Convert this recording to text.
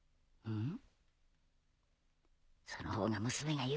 うん！